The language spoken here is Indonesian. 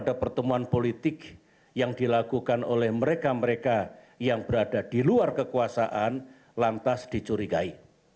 ada pertemuan politik yang dilakukan oleh mereka mereka yang berada di luar kekuasaan lantas dicurigai